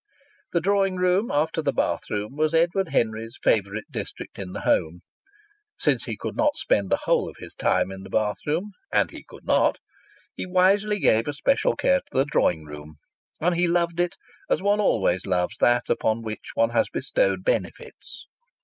The drawing room, after the bathroom, was Edward Henry's favourite district in the home. Since he could not spend the whole of his time in the bathroom and he could not! he wisely gave a special care to the drawing room, and he loved it as one always loves that upon which one has bestowed benefits.